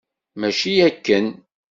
Mačči akken!